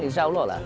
insya allah lah